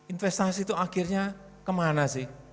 investasi itu akhirnya kemana sih